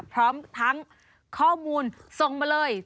พร้อมทั้งข้อมูลส่งมาเลย